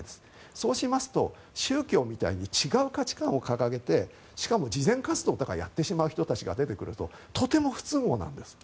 そうしますと宗教みたいに違う価値観を掲げてしかも慈善活動とかをやってしまう人たちが出てくるととても不都合なんです。